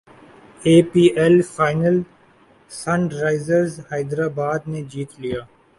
ائی P L final Sunrisers Hyderabad نے جیت لیا